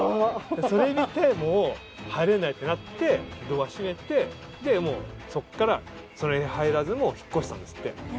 それ見て入れないってなってドア閉めてでもうそっからその部屋に入らず引っ越したんですって。